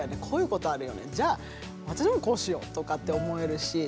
こういうことあるよねじゃあ私もこうしようと思えるし。